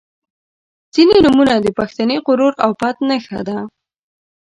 • ځینې نومونه د پښتني غرور او پت نښه ده.